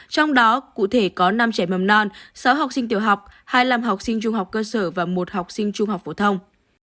trong đó cụ thể có năm trẻ mầm non sáu học sinh tiểu học hai mươi năm học sinh trung học cơ sở và một học sinh trung học phổ thông